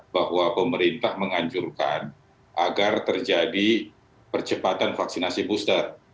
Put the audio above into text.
bahwa pemerintah menganjurkan agar terjadi percepatan vaksinasi booster